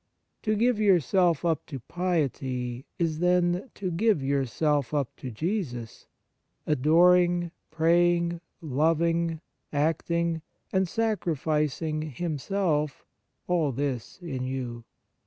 To give yourself up to piety is, then, to give yourself up to Jesus, adoring, praying, loving, acting, and sacrificing Himself — all this in you.